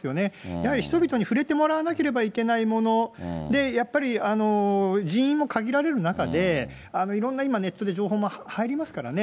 やはり人々に触れてもらわなければいけないもの、で、やっぱり人員も限られる中で、いろんな今、ネットで情報も入りますからね。